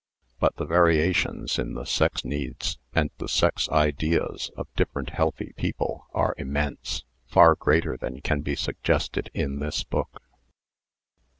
But the variations in the sex needs and the sex ideas of different healthy people are immense, far greater than can be suggested in this book.